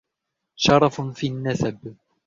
شرف في النسب